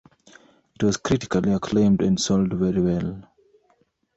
It was critically acclaimed and sold very well.